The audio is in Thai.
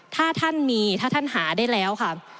ถ้าท่านมีถ้าท่านหาได้แล้วค่ะ